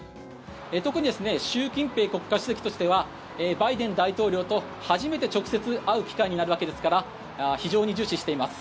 特に習近平国家主席としてはバイデン大統領と初めて直接会う機会になるわけですから非常に重視しています。